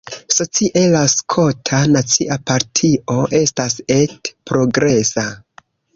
Socie, la Skota Nacia Partio estas ete progresa.